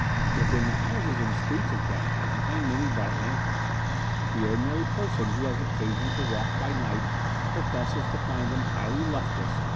Within the houses and streets of Canton Hang many bright lanterns. The ordinary person who has occasion to walk by night Professes to find them highly lustrous.